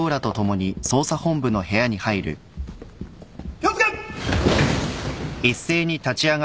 気を付け。